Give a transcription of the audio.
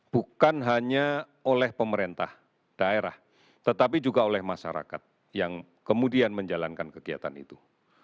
bukan hanya oleh pemerintah daerah tetapi juga oleh masyarakat yang kemudian menjalankan kegiatan itu